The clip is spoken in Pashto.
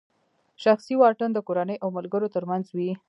شخصي واټن د کورنۍ او ملګرو ترمنځ وي.